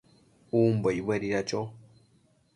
umbo icbuedida cho?